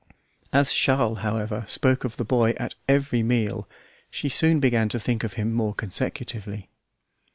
As Charles, however, spoke of the boy at every meal, she soon began to think of him more consecutively.